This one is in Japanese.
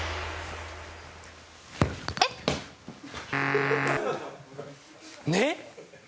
えっ？えっ？